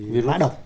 vì mã độc